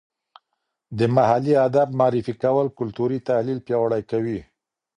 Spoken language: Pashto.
د محلي ادب معرفي کول کلتوري تحلیل پیاوړی کوي.